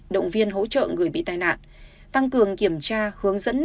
động viên hỗ trợ người bị tai nạn tăng cường kiểm tra hướng dẫn